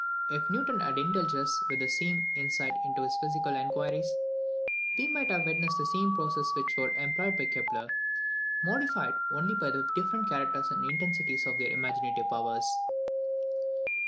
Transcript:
If Newton had indulged us with the same insight into his physical inquiries, we should have witnessed the same processes which were employed by Kepler, modified only by the different characters and intensities of their imaginative powers.